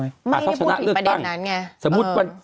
ไม่ถ้าจำแล้วชนะน่ะง่ายอย่างแบบนี้